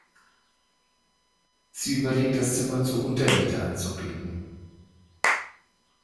Sie überlegt, das Zimmer zur Untermiete anzubieten.